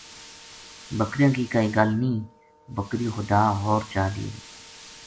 بکریاں کی کائی گل نیہہ بکری خدا ہور چا دیئے گو